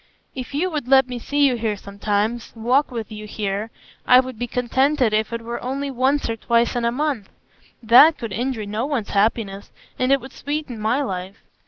"If you would let me see you here sometimes,—walk with you here,—I would be contented if it were only once or twice in a month. That could injure no one's happiness, and it would sweeten my life.